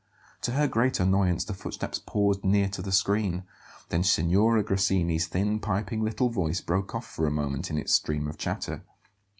To her great annoyance the footsteps paused near to the screen; then Signora Grassini's thin, piping little voice broke off for a moment in its stream of chatter.